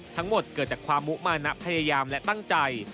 ทั้งหมดเกิดจากความมุมานะพยายามและตั้งใจ